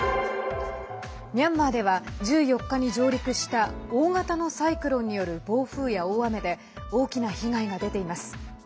ミャンマーでは１４日に上陸した大型のサイクロンによる暴風や大雨で大きな被害が出ています。